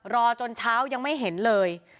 รอจนเช้ายังไม่เห็นเลย